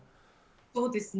そうですね。